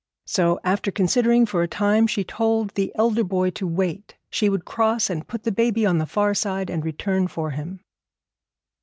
So, after considering for a time, she told the elder boy to wait. She would cross and put the baby on the far side, and return for him.